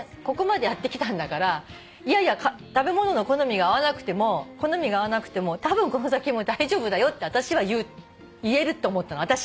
ここまでやってきたんだから食べ物の好みが合わなくても好みが合わなくてもたぶんこの先も大丈夫だよって私は言えるって思ったの。